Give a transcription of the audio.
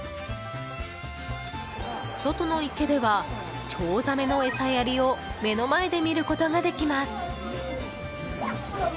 外の池ではチョウザメの餌やりを目の前で見ることができます。